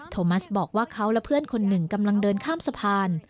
โมัสบอกว่าเขาและเพื่อนคนหนึ่งกำลังเดินข้ามสะพาน